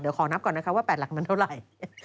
เดี๋ยวขอนับก่อนนะคะว่า๘หลักนั้นเท่าไหร่